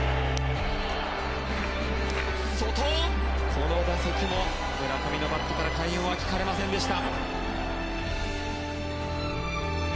この打席も村上のバットから快音は聞かれませんでした。